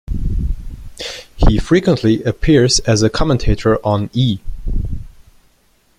He frequently appears as a commentator on E!